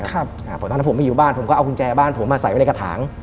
เพราะตอนนั้นผมไม่อยู่บ้านผมก็เอากุญแจบ้านผมมาใส่ไว้ในกระถาง